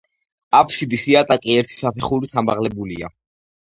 აფსიდის იატაკი ერთი საფეხურით ამაღლებულია.